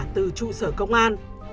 từ trụ sở công an